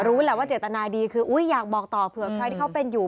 รู้แหละว่าเจตนาดีคืออยากบอกต่อเผื่อใครที่เขาเป็นอยู่